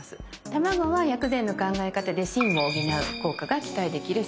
卵は薬膳の考え方で「心」を補う効果が期待できる食材になります。